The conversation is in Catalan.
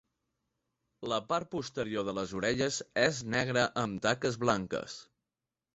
La part posterior de les orelles és negra amb taques blanques.